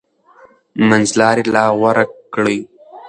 منځلاري لار غوره کړئ.